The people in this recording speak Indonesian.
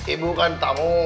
ibu kan tamu